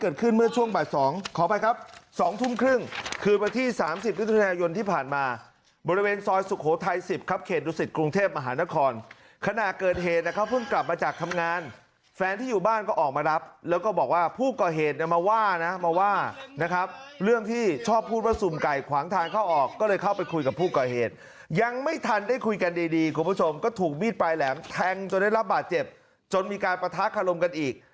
ดุสิตกรุงเทพมหานครขณะเกิดเหตุนะครับเพิ่งกลับมาจากทำงานแฟนที่อยู่บ้านก็ออกมารับแล้วก็บอกว่าผู้ก่อเหตุมาว่านะมาว่านะครับเรื่องที่ชอบพูดว่าสุมไก่ขวางทางเข้าออกก็เลยเข้าไปคุยกับผู้ก่อเหตุยังไม่ทันได้คุยกันดีคุณผู้ชมก็ถูกบีดปลายแหลมแทงจนได้รับบาดเจ็บจนมีการประทะคารมกันอีก